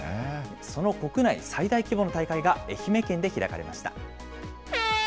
その国内最大規模の大会が、愛媛県で開かれました。